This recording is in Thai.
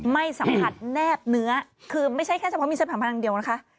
ไม่สัมผัสแนบเนื้อคือไม่ใช่แค่เฉพาะมีสะพานพลังเดียวนะคะ